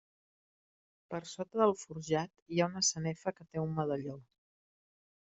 Per sota del forjat hi ha una sanefa, que té un medalló.